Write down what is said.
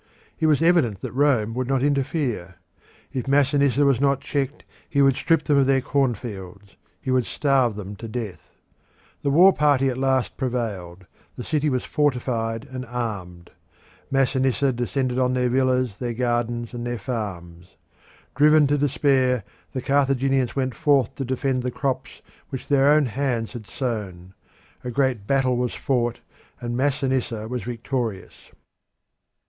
It was evident that Rome would not interfere. If Masinissa was not checked he would strip them of their cornfields; he would starve them to death. The war party at last prevailed; the city was fortified and armed. Masinissa descended on their villas, their gardens, and their farms. Driven to despair, the Carthaginians went forth to defend the crops which their own hands had sown. A great battle was fought, and Masinissa was victorious.